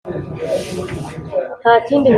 Nta kindi nashoboraga kumubaza